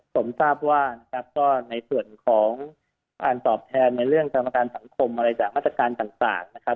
ผมทราบว่านะครับก็ในส่วนของการตอบแทนในเรื่องกรรมการสังคมอะไรจากมาตรการต่างนะครับ